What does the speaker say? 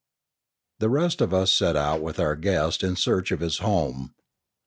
The rest of us set out with our guest in search of his home.